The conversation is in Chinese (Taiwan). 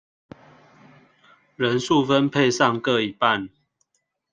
人數分配上各一半